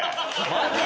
マジ？